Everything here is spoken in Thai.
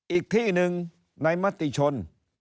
อีกที่หนึ่งในมติชน